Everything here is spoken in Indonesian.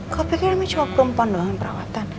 kok pikir cuma perempuan doang yang perawatan